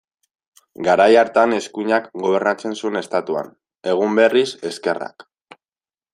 Garai hartan eskuinak gobernatzen zuen Estatuan, egun berriz, ezkerrak.